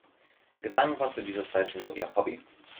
Gesang war zu dieser Zeit nur ihr Hobby.